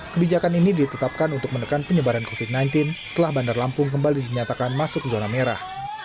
kebijakan ini ditetapkan untuk menekan penyebaran covid sembilan belas setelah bandar lampung kembali dinyatakan masuk zona merah